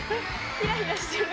ヒラヒラしてる。